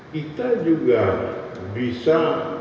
kita juga bisa